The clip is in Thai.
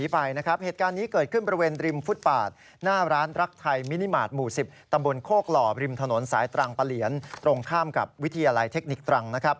ประเหลียนตรงข้ามกับวิธีอะไรเทคนิคตรัง